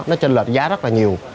nó trên lệch giá rất là nhiều